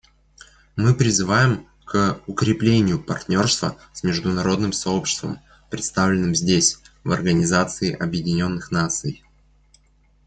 Мы призываем к укреплению партнерства с международным сообществом, представленным здесь в Организации Объединенных Наций.